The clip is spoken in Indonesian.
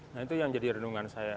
nah itu yang jadi renungan saya